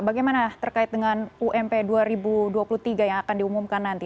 bagaimana terkait dengan ump dua ribu dua puluh tiga yang akan diumumkan nanti